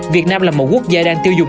việt nam là một quốc gia đang tiêu dùng